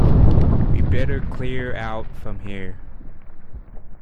We'd better clear out from here!